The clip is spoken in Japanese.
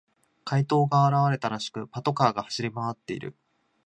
怪盗が現れたらしく、パトカーが走り回っている。